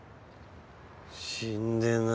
死んでない。